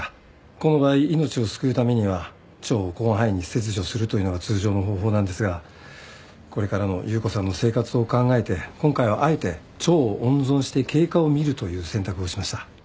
この場合命を救うためには腸を広範囲に切除するというのが通常の方法なんですがこれからの裕子さんの生活を考えて今回はあえて腸を温存して経過を見るという選択をしました。